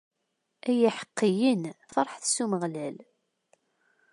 Ay iḥeqqiyen, ferḥet s Umeɣlal.